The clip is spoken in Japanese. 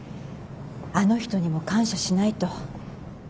あの人にも感謝しないと。